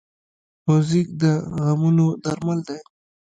موزیک د غمونو درمل دی.